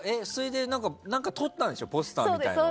何か撮ったんでしょポスターみたいなの。